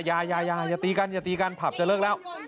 ยายาอย่าตีกันอย่าตีกันผับจะเลิกแล้ว